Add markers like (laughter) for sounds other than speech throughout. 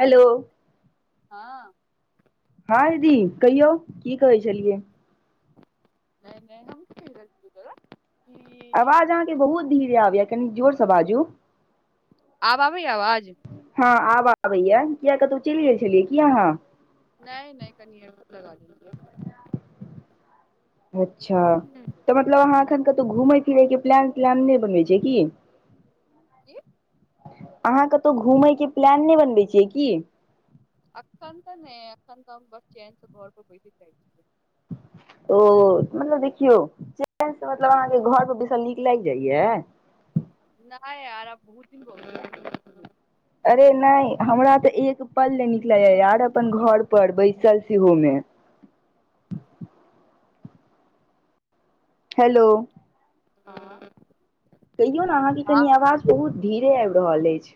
Hello. हँ। हँ दीदी, कहियौ की कहै छलियै? नैय-नैय, हम (unintelligible) तोरा कि आवाज अहाँके बहुत धीरे आबैयाऽ कनी जोर स बाजू। आब आबैयाऽ आवाज? हँ, आब आबैयाऽ, किया कतौ चइल गेल छलियै की अहाँ? नैय-नैय, कनि (unintelligible) लगा लेलियै। अच्छा, हूँ तऽ मतलब अहाँ एखन कतौ घुमय फिरै के प्लान-त्लान नैय बनबै छियै की? किऽ? अहाँ कतौ घुमैय के प्लान नैय बनबै छियै की? अखन तऽ नैय, एखन तऽ बस चेन से घर पर बैसे जाइ छियै। ओ मतलब देखियौ, चैन स मतलब अहाँके घर पर बैसल नीक लागि जाइयाऽ? नैहायार आ बहुत दिन भ (unintelligible) अरे नहि, हमरा तऽ एक पल नहि नीक लागै यार अपन घर पर बैसल सेहो में। हेलो। हँ। कहियौ न, अहाँके कनि आवाज बहुत धीरे आबि रहल अछि।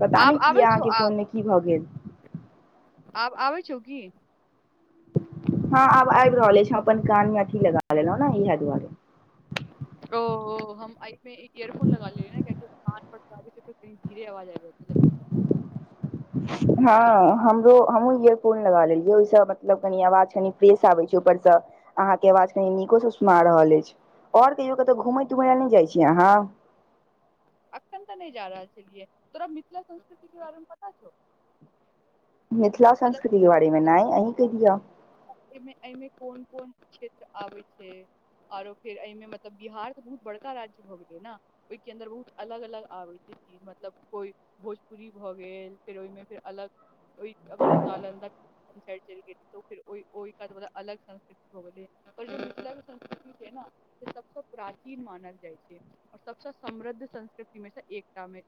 पता आब नहि आबै कियाऽ? छौ अहाँके कोन मे आब की भऽ गेल? आब आबै छौ की? हँ आब आबि रहल अछि, हम अपन कान मे अथी लगा लेलौं न इहैऽ दुआरे। ओऽ हम आइ में एक इ-इयरफोन लगाऽ लेइ न, कियैऽकि कान पड़ (unintelligible) धीरे आवाज आइब रोज लगी। ह हँ, हमरो हमहुँ इयरफोन लगा लेलियै, ओइ सँ मतलब कनि आवाज कनि फ्रेश आबै छै ऊपरसँ अहाँके आवाज कनि नीको से सुना रहल अछि, और कहियो कतौ घूमैय-तूमैय लए नैय जाइ छियै अहाँ? अखन तऽ नै जा रहल छलियै, तोरा मिथिला संस्कृति के बारे में पता छौ? मिथिला संस्कृति के बारे मे नैय, अहीं कहि दिअ। मे अई में कोन-कोन क्षेत्र आबै छै? औरो फेर अई में मतलब बिहार तऽ बहुत बड़का राज्य भऽ गेलै न? ओई के अन्दर बहुत अलग-अलग आबै (unintelligible) कि मतलब कोइ भोजपुरी भऽ गेल, फेर ओहिमे फेर अलग ओहि अगर तू नालन्दा साइड चैल गेलही त फेर ओई-ओई कात वला अलग संस्कृ भ गेलै आओर जे मिथिलाके संस्कृति छैय ने से सबसँ प्राचीन मानल जाइ छैय। आ सबस समृद्ध संस्कृतिमेसँ एकटामे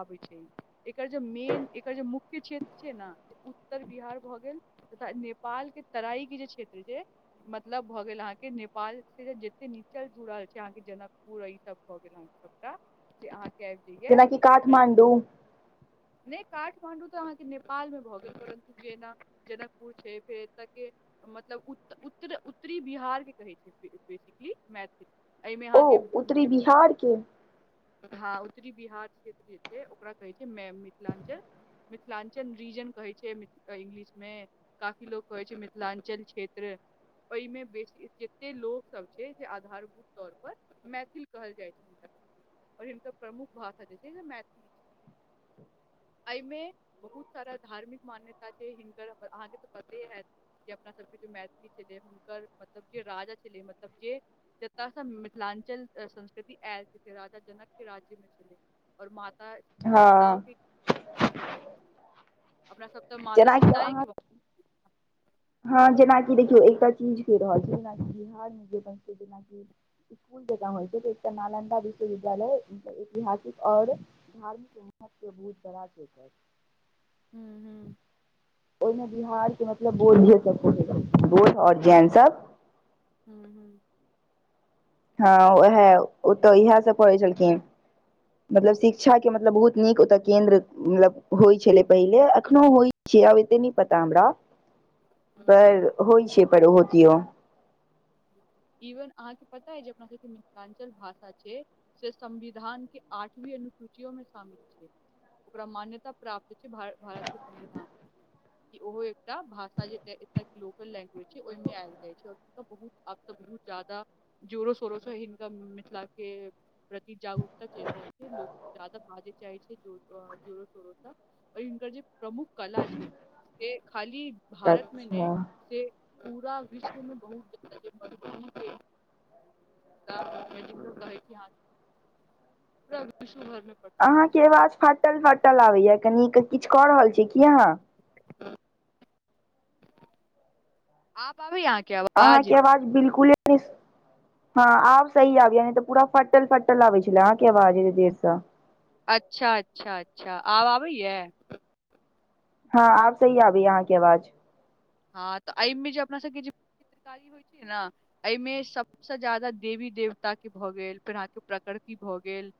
आबै छैय एकर जे मेन एकर जे मुख्य क्षेत्र छैय ने उत्तर बिहार भऽ गेल तथा नेपालके तराईके जे क्षेत्र छैय मतलब भए गेल अहाँके नेपाल से जते नीचा जुड़ल छैय अहाँके जनकपुर ई सब भए गेल अहाँके सबटा से अहाँ के आइब जाइए, जेनाकि काठमाण्डू नय काठमाणडू तऽ अहाँके नेपालमे भ परु जेना जनकपुर छैय फेर एत के मतलब उ उत्त उत्तरी बिहारके कहै छैय बेसिकली मैथिल एहिमे ओ अहाँ उत्तरी (unintelligible) बिहार के हँ उत्तरी बिहार क्षेत्र जे छैय ओकरा कहै छैय मेन मिथिलाञ्चल मिथिलाञ्चल रीजन कहै इंग्लिशमे काफी लोग कहै छैय मिथिलाञ्चल क्षेत्र। एहिमे बेसी जते लोग सब छैय जे आधारभूत तौर पर मैथिल कहल जाइत छैय हिनका आओर हिनकर प्रमुख भाषा जे छैय मैथिली छैय। एहिमे बहुत सारा धार्मिक मान्यता छैय हिनकर अहाँके तऽ पते हयत अपना सबके जे मैथिली छलै हुनकर मतलब जे राजा छलै मतलब जे जतय से मिथिलांचल संस्कृति आयल छैय राजा जनकके राज्य में छलै और माता हँ सीताओके स्थान भेलय। अपना सब तऽ माता जेनाकि आब अहाँ सीताएके हँ जेनाकि देखियौ एकटा चीज कहि रहल छी जेना बिहार जेनाकि (unintelligible) जे होइ छै से एकटा नालन्दा विश्व विद्यालय ऐतिहासिक और धार्मिक महत्वत बहुत करा (unintelligible) हूँ- हूँ। ओहिमे बिहारके मतलब (unintelligible) बोध ओर जैन सब। हूं हूं। हँ उएह ओ तऽ इएह सब पढ़ै छलखिन। मतलब शिक्षाके मतलब बहुत नीक ओतऽ केन्द्र मतलब होइ छलै पहिले अखनो होइ छैय आब एते नहि पता हमरा। हूँ पर होइ छैय पर ओहोतिहो इवन अहाँके पता अइ जे अपना सबके मिथिलांचल भाषा छैय से संविधानके आठवीं अनुसूचियोमे शामिल छैय। ओकरा मान्यता प्राप्त छैय भार भारतके संविधानमे। कि ओहो एकटा भाषा जे एकर लोकल लैंग्वेज छैय ओहि मे आइब जाय छैय और बहुत आब तऽ बहुत ज्यादा जोरो शोरोसँ हिनका मिथिला के प्रति जागरूकता चलि रहल छैय, लोग जादा बाजे चाहै छैय जोर जोरो शोरोसँ। हिनकर जे प्रमुख कला छैय से खाली भारतमे ने अच्छा से पूरा विश्वमें बहुत ज (unintelligible) पूरा विश्व भर मे प्रसिद्ध होइ अहाँके छै आवाज फाटल-फाटल आबैया कनी किछ कऽ रहल छी की अहाँ। आब आबइया आहाँ के आव अहाँके आवाज बिल्कुले न हँ आब सही आबया तऽ पूरा फटल फटल आबै छलै अहाँके आवाज एते देरसँ। अच्छा-अच्छा-अच्छा आब आबैया। हँ आब सही आबैय अहाँके आवाज। हँ तऽ एहिमें जे अपना सबके जे चित्रकारी होइ छै न। एहिमें सबसँ ज्यादा देवी-देवताक के भऽ गेल फेर अहाँके प्रकृति भऽ गेल।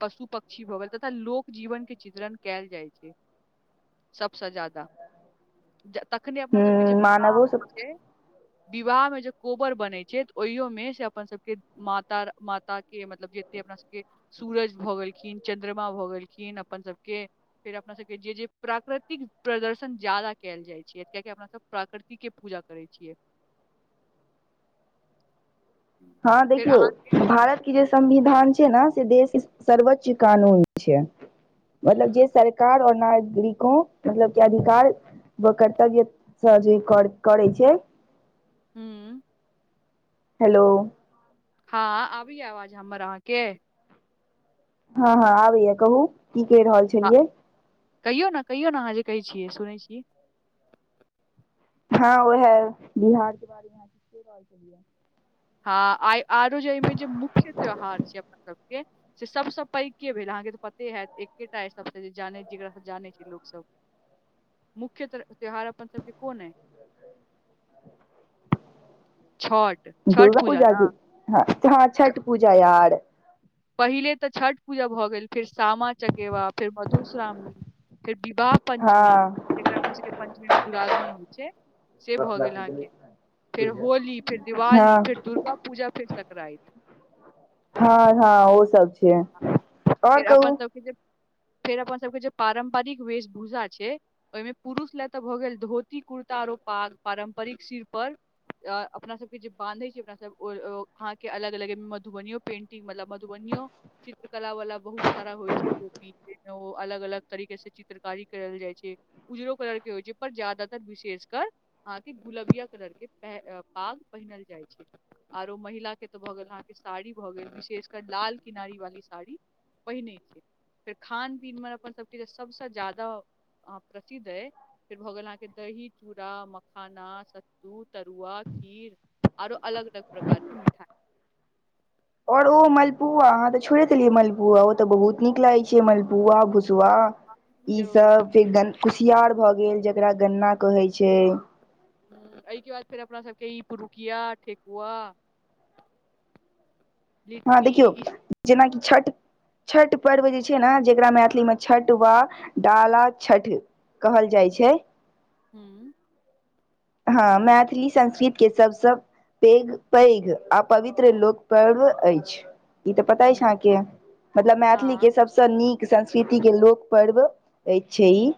पशु-पक्षी भऽ गेल तथा लोक जीवन के चित्रण केयल जाइ छै। सभसँ ज्यादा, तखने अपना सभके जे हूँ विवाह मानवो होइ सब छै। विवाह में जे कोबर बनै छै, त ओहियोमें से अपन सभके मातर माता। के मतलब जत्ते अपना सबके सूरज भऽ गेलखिन, चंद्रमा भऽ गेलखिन अपन सभके। फेर अपना सभके जे-जे प्राकृतिक प्रदर्शन ज्यादा कायल जाइ छै, कियाकि अपना सभ। प्राकृतिक के पूजा करै छियै। हम्म। हँ फेर देखियो अहाँके भारत। इ जे संविधान छै ने, से देश सर्वोच्च कानून छै मतलब जे। हूँ सरकार नागरिको मतलब कि अधिकार। ओ कर्तव्य स जै कर, करै छै। हूँ। हेलो। हँ आबैय आवाज हमर अहाँके। हँ, हँ आबैय कहू की कहि रहल आ छलियै। कहियौ ने कहियौ ने, अहाँ जे कहै छियै सुनै छि। हँ वहै बिहार के बारे में। हँ आइ आरो जे एहिमें जे मुख्य त्योहार छै अपना सबके। से सभसँ पैघ के भेल अहाँके तऽ पत्ते हैत, एकेटा अ सभसँ जानै जकासँ जानै छै लोकसभ। (inaudible) मुख्य त त्योहार अपन सबके कोन अइ। छठ। छठ पूजा दुर्गापूजा ना छी, हँ छ- छठ पूजा यार। पहिले तऽ छठ पूजा भऽ गेल, फेर सामा-चकेबा फेर मधुश्रावणी, फेर विवाह। पञ्चमी हँ जेकरा अपना सबके पञ्चमी में दुरागमन होइ छै। से भऽ गेल अहाँके, फेर होली, फेर दिवाली, हँ फेर दुर्गापूजा, फेर सक्राइत। हँ हँ ओ सब छै, आओर कहू। (unintelligible) फेर अपन सबके जे पारम्परिक वेश-भूषा छै। ओहि में पुरुष लए तऽ भऽ गेल धोती-कुर्ता और ओ पाग पारम्परिक सिर पर। अपना सबके जे बान्है छै, अपना सब अहाँके अलग- अलग मधुबनीयों पेन्टिंग, मतलब मधुबनीयों। चित्रकला वाला बहुत सारा होइ छै टोपी जै में ओ अलग- अलग तरीके से चित्रकारी करल जाइ छै। उजरो कलर के होइ छै, पर ज्यादातर विशेषकर। अहाँके गुलबिया कलर के पे, पाग पहिनल जाइ छै। आरो महिला के तऽ भऽ गेल, अहाँके साड़ी भऽ गेल विशेषकर लाल किनारी वाली। साड़ी पहिनै छै, फेर खान- पीन में अपन सबके सबसँ जादा। आ प्रसिद्ध अइ। फेर भऽ गेल अहाँके दही, चूड़ा, मखाना, सत्तू, तरुआ खीर। आरो अलग-अलग प्रकार के मिठाई। और ओ मलपुआ, अहाँ तऽ छोड़े देलियै मलपुआ ओ तऽ बहुत नीक लागै छै मलपुआ, भुसवा। ई यौ सब हम फेर गन् कुसियार भऽ गेल जकरा गन्ना कहे छै। एहिके बाद फेर अपना सबके ई पुरुकिया, ठेकुआ। हँ लिट्टी देखियौ ई जेनाकि छठ। छठ पर्व जे छै ने जेकरा मैथिलीमे छठ वा डाला छठ कहल जाइ छै। हूँ। हँ मैथिली संस्कृत के शब्द सब पैघ पैघ आ पवित्र लोक पर्व अछि। ई तऽ पता अछि हूँ अहाँके, मतलब मैथिली हँ के सब से नीक संस्कृति के लोक पर्व अछि ई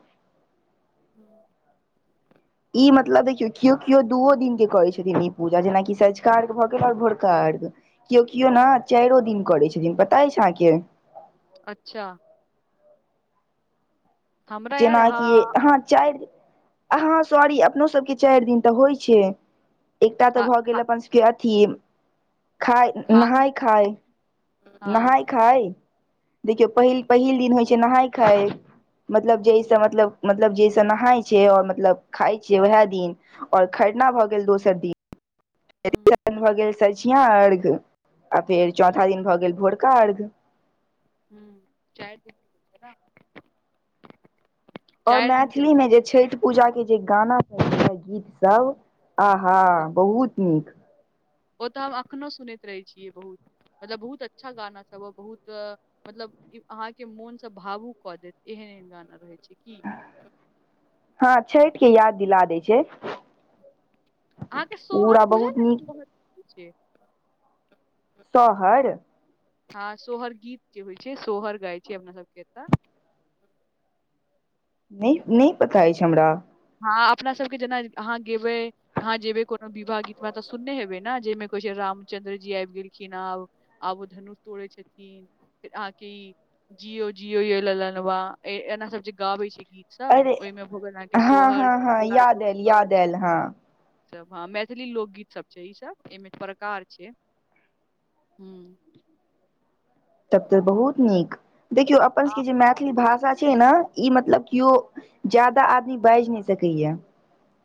हँ। ई मतलब देखियौ केओ केओ दूओ दिन के करे छथिन ई पूजा जेनाकि सँझुका अर्घ्य भऽ गेल और भोरका अर्घ्य केओ केओ ने चारो दिन करै छथिन पता अछि अहाँके अच्छा। हमरा यार जेनाकि, हँ हाँ चारि अहाँ सॉरी, अपनो सबके चारि दिन तऽ होइ छै, एकटा तऽ खा भए खा गेल अपन के अथि खाय, खान नहाय खाय नहाय हँ खाय, देखियौ पहिल पहिल दिन होइ छै नहाय खाय मतलब हूँ जैसे मतलब मतलब जैसे नहाय छै और मतलब खाय छै, वैह दिन और खरना भए गेल दोसर दिन तीसरा हूँ दिन भऽ गेल सँझुका अर्घ्य आ फेर चौथा हूँ दिन भऽ गेल भोरका अर्घ्य हं चारि दिन और चारि दिन के होइ मैथिलीमे जे छठि पूजाके जे गाना सभ बजैये गीतसभ आ हा छै बहुत नीक ओ तऽ हम एखनहु सुनैत रहै छियै बहुत, मतलब बहुत अच्छा गाना सब ओ बहुत मतलब अहाँके मोनसँ भावुक कऽ देत, एहन एहन गाना रहै छै की हँ छठि के याद दिला दै छै। अहाँके सोहर पूरा बुझल बहुत अछि नीक की होइ छै? शहर? हँ सोहर गीत जे होइ छै सोहर गाय छै अपना सबके एतऽ नै नै पता अछि हमरा हँ अपना सबके जेना अहाँ गेबै अहाँ जेबै कोनो विवाह गीतमे तऽ सुनने हेबै ने जाहिमे कहै छै रामचंन्द्र जी आबि गेलखिन आब आब ओ धनुष तोड़े छथिन और अहाँके जियो जियो रे ललनबा एना सब जे गाबै छै गीत सभ अरे ओहिमे भऽ गेल अहाँके हँ सोहर हँ हँ याद आयल याद जोकच आयल हँ सब हँ मैथिली लोकगीत सब छै ई सब, एहिमे प्रकार छै। हूँ। तब तऽ बहुत नीक, देखियौ अपन आ सबके जे मैथिली भाषा छै ने ई मतलब केओ जादा आदमी बाजि नहि सकैये।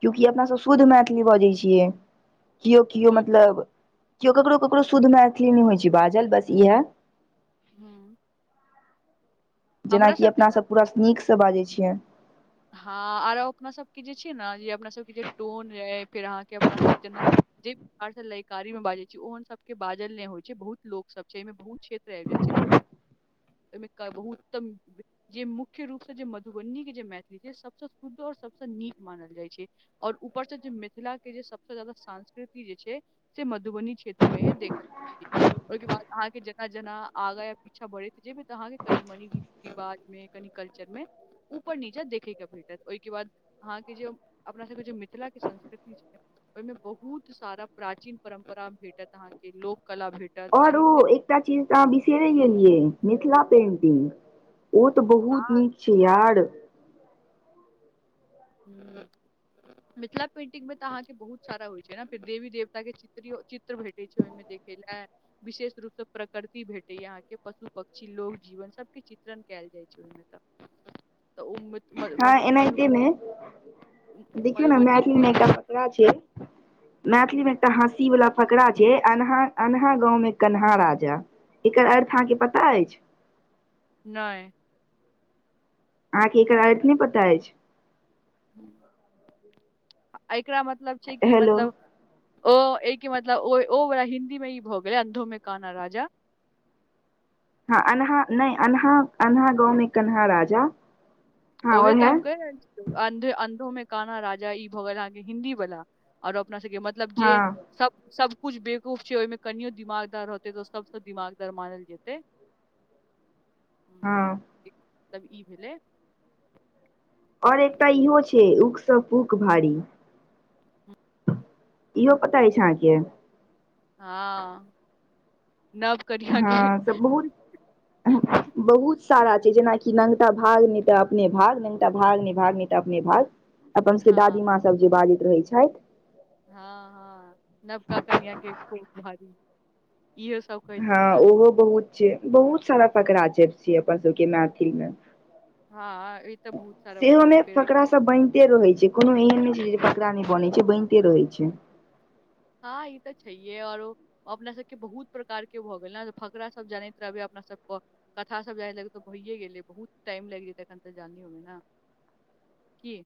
क्यूकि अपना सब शुद्ध मैथिली बजै छियै। केओ केओ हूँ मतलब केओ ककरो ककरो शुद्ध मैथिली नहि होइत छै बाजल बस इएह हँ। जेना कि सबके अपना तऽ सभ पूरा नीकसँ बाजै छियै हँ आरो अपना सभके जे छै ने जे अपना सभके जे टोन अछि फेर अहाँके अपना सभ जेना जी। लयकारी में बाजै छियै ओहन सब के बाजल नहि होइ छै, बहुत लोक सब छै एहिमे, बहुत क्षेत्र आबि जाइ छै ने ओ ओहिमे बहु उत्तम जे मुख्य रूप से जे मधुबनी के जे मैथिली (unintelligible) सबस शुद्ध और सबसँ नीक मानल जाइ छै। और ऊपर से जे मिथिला के जे सबस जादा संस्कृति जे छै। से मधुबनी क्षेत्र में देखल ओके बाद अहाँके जेना- जेना आगा (unintelligible) बढ़ैत जेबै तऽ आहाँ के कनि-मनि रिति रिवाज मे कल्चर मे ऊपर नीच देख देखै के भेटत ओहिके बाद अहाँके जे अपना सबके जे मिथिला के संस्कृति छै। ओहि मे बहुत सारा प्राचीन परम्परा भेटत अहाँ के लोक कला भेट और ओ एकटा चीज तऽ आहाँ बिसेैरे गेलियै मिथिला पेंटिंग। ओ तऽ बहुत नीक छै यार। हूँ। मिथिला पेंटिंग मे तऽ अहाँके बहुत सारा होइ छै ने फेर देवी देवता के चित्र चित्र भेटै छै ओहिमे देख भेल हेय विशेष रूपसँ प्रकृति भेटैया अहाँके पशु- पक्षी लोक जीवन सब के चित्रण केएल जाइ छै ओहिमे तऽ। ह तऽ ओ मधु-मधुबनी देखियौ ने मैथिली मे पेंट एकटा फकड़ा छै मैथिली मे एकटा हँसी वाला फकड़ा छै अन्हा -अन्हा गाँंव में कन्हा राजा एकर अर्थ अहाँके पता अइछ। नैय आहाँके एकर अर्थ नै पता अइछ। एकरा मतलब छै कि हेलो मतलब ओ एय के मतलब ओ ओ हिन्दी मे ई भऽ गेलै अन्धो में काना राजा। हँ अन्हा नै अन्हा -अन्हा गाँवमे कन्हा राजा। हँ ओहिे तऽ ओहे हम कैह रहल छी। अंध- अंधो में काना राजा ई भऽ गेल अहाँके हिन्दी वाला और अपना सबके मै मतलब जे हँ सब सब कुछ बेकूफ छै ओहिमे कनियो दिमागदार होतै तऽ ओ सबसँ दिमागदार मानल जेतै। हम्म, हँ। मतलब ई भेलै। और हम्म, एकटा इहो छै उख सब पूक भारी इहो पता अइछ आहाँके? हँ न हँ तऽ बहुत बहुत सारा छै जेनाकि नंगटा भाग नै तऽ अपने भाग नंगटा भाग नैय भाग नैय तऽ अपने भाग। अपन सब के हाँ दादीमाँ सब जे बाजैत रहै छैथ। हँ हँ नवका कन्या के कोख भारी। इहो सब कहै छथिन दादी माँ जे बहुत सारा फकड़ा छै अपन सबके मैथिल मे हँ ई तऽ बहुत सारा भऽ सेहो गेल मे फेर फकरा सब बनते रहै छै कोनो एहन नै छै जे फकड़ा नै बनै छै बैनते रहै छै। हँ ई तऽ छैहे आरो अपना सबके बहुत प्रकार के भऽ गेल ने फकरा सब जनैत रहबै अपना सबके कथा सब जाय लगतौ भइये गेलै बहुत टाइम लैग जेतै एखन तऽ जाने होबे ने की